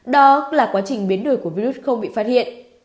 đó là quá trình biến đổi của virus không bị phát hiện